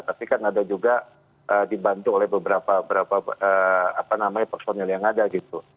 tapi kan ada juga dibantu oleh beberapa personil yang ada gitu